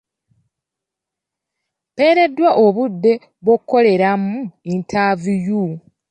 Mpeereddwa obudde bw'okukoleramu yintaviyu.